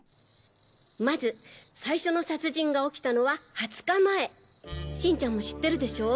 まず最初の殺人が起きたのは２０日前新ちゃんも知ってるでしょ？